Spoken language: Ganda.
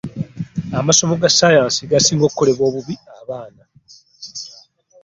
Amasomo ga sayansi ge gasinga okukolebwa obubi abaana.